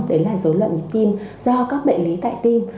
đấy là dối loạn nhịp tim do các bệnh lý tại tim